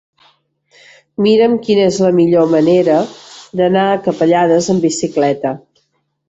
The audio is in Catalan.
Mira'm quina és la millor manera d'anar a Capellades amb bicicleta.